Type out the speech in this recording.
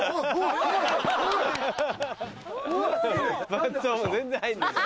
松尾も全然入んねえし。